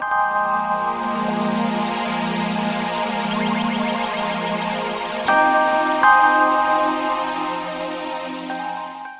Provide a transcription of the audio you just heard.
bukalah kali ini aku ando